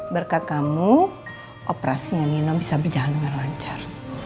berkat kamu operasinya nino bisa berjalan dengan lancar